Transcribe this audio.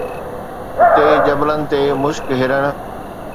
هتي جبلن تي مشڪ هرڻ